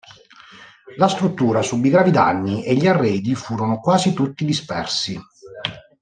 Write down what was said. La struttura subì gravi danni e gli arredi furono quasi tutti dispersi.